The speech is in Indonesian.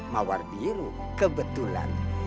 mawar biru kebetulan